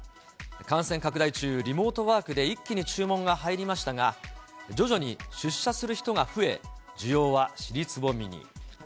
感染拡大中、リモートワークで一気に注文が入りましたが、徐々に出社する人が増え、需要は尻すぼみに。